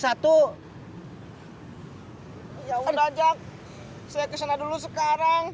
ya udah jack saya kesana dulu sekarang